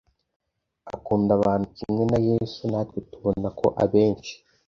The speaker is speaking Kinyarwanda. akunda abantu Kimwe na Yesu natwe tubona ko abenshi